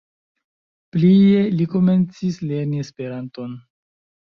Plie li komencis lerni Esperanton.